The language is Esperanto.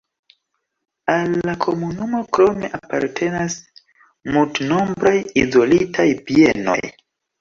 Al la komunumo krome apartenas multnombraj izolitaj bienoj.